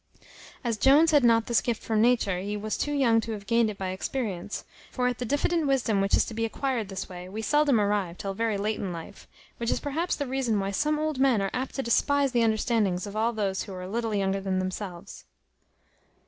As Jones had not this gift from nature, he was too young to have gained it by experience; for at the diffident wisdom which is to be acquired this way, we seldom arrive till very late in life; which is perhaps the reason why some old men are apt to despise the understandings of all those who are a little younger than themselves.